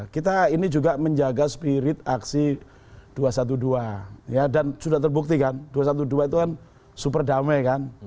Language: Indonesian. kita ini juga menjaga spirit aksi dua ratus dua belas ya dan sudah terbukti kan dua ratus dua belas itu kan super damai kan